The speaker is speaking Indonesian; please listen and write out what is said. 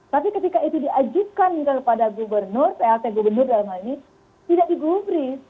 tapi ketika itu diajukan kepada gubernur plt gubernur dalam hal ini tidak digubri